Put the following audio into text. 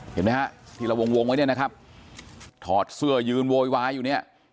เห็นมั้ยครับทีละวงไว้เนี่ยนะครับถอดเสื้อยืนโว้ยว้ายอยู่เนี่ย